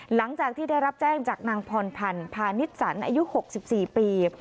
หลังจากที่ได้รับแจ้งจากนางพรพันธ์พาณิชสันอายุ๖๔ปี